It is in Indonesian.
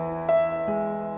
gak ada apa apa